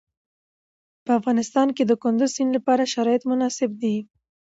په افغانستان کې د کندز سیند لپاره شرایط مناسب دي.